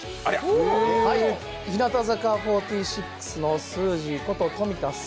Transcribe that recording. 日向坂４６のスージーこと富田鈴